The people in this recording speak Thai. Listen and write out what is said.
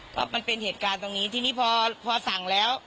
ก็มันเป็นเหตุการณ์ตรงนี้ทีนี้พอสั่งแล้ว